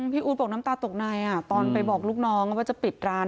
อู๊ดบอกน้ำตาตกในตอนไปบอกลูกน้องว่าจะปิดร้าน